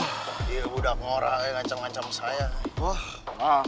iya budak ngorak enak ngancam ngancam saya